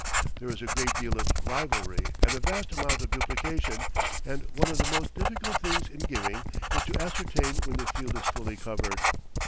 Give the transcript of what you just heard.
There is a great deal of rivalry and a vast amount of duplication, and one of the most difficult things in giving is to ascertain when the field is fully covered.